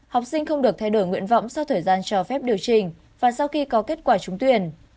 học sinh không được thay đổi nguyện vọng sau thời gian cho phép điều chỉnh và sau khi có kết quả trúng tuyển